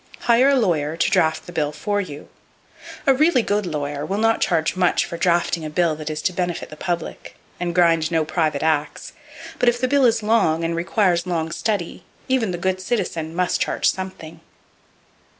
Hire a lawyer to draft the bill for you. A really good lawyer will not charge much for drafting a bill that is to benefit the public, and grind no private axe; but if the bill is long, and requires long study, even the good citizen must charge something.